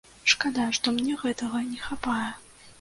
Шкада, што мне гэтага не хапае.